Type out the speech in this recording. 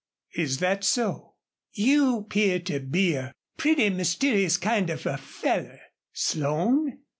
"Is that so?" "You 'pear to be a pretty mysterious kind of a feller, Slone.